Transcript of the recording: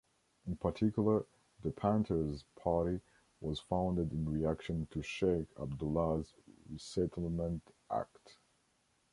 In particular, the Panther's Party was founded in reaction to Sheikh Abdullah's Resettlement Act.